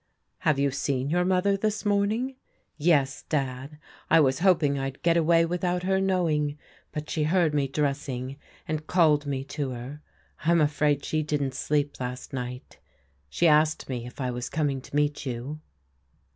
" Have you seen your mother this morning?" " Yes, Dad. I was hoping I'd get away without her knowing; but she heard me .dressing, and called me to her. I'm afraid she didn't sleep last night. She asked me if I was coming to meet you."